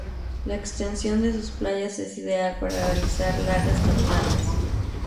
La extensión de sus playas es ideal para realizar largas caminatas.